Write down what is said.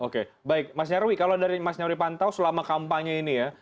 oke baik mas nyarwi kalau dari mas nyarwi pantau selama kampanye ini ya